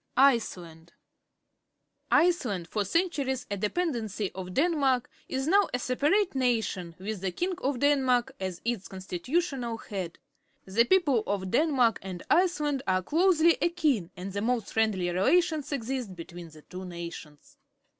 ICELAND ^,M Iceland, for centuries a depeudencj' of Denmark, is now a separate nation, with the king of Denmark as its constitutional head. The people of Denmark and Iceland are closely akin, and the most friendly relations exist between the two nations.